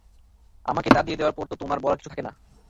আমাকে তা দিয়ে দেয়ার পর তো তোমার বলার কিছু থাকে না!